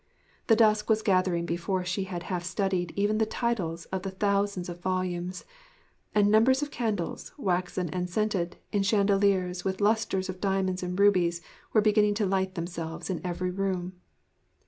The dusk was gathering before she had half studied even the titles of the thousands of volumes; and numbers of candles, waxen and scented, in chandeliers with lustres of diamonds and rubies, were beginning to light themselves in every room.